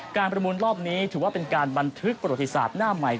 การประมูลรอบนี้ถือว่าเป็นการบันทึกประโยชน์หน้าใหม่